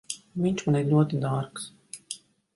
Viņš man ir ļoti dārgs.